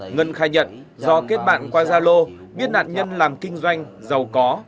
ngân khai nhận do kết bạn qua gia lô biết nạn nhân làm kinh doanh giàu có